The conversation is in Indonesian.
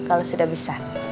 kalau sudah bisa